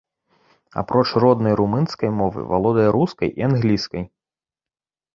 Апроч роднай румынскай мовы, валодае рускай і англійскай.